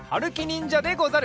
んじゃでござる。